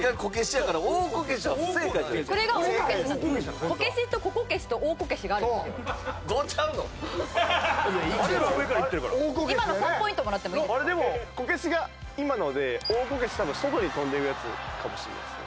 あれでもこけしが今ので大こけし多分外に飛んでるやつかもしれないですね。